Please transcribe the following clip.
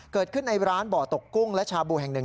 เกิดขึ้นในร้านบ่อตกกุ้งและชาบูแห่งหนึ่ง